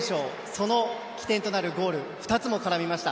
その起点となるゴール２つも絡みました。